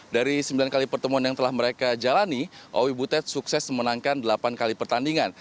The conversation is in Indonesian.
dari sembilan kali pertemuan yang telah mereka jalani owi butet sukses memenangkan delapan kali pertandingan